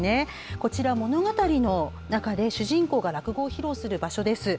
こちら、物語の中で主人公が落語を披露する場所です。